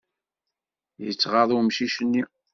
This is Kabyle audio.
Yettɣaḍ umcic-nni.